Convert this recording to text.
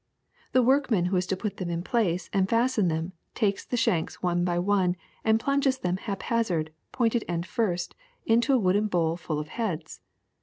'^The workman who is to put them in place and fasten them takes the shanks one by one and plunges them haphazard, pointed end first, into a wooden bowl full of heads.